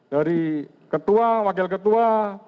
dari ketua wakil ketua